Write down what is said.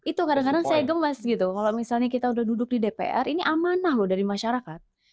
itu kadang kadang saya gemes gitu kalau misalnya kita udah duduk di dpr ini amanah loh dari masyarakat